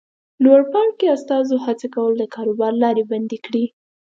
لوړپاړکي استازو هڅه کوله د کاروبار لارې بندې کړي.